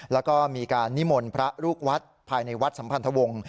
แล้วก็มีการนิมนต์พระลูกวัดภายในวัดสัมพันธวงศ์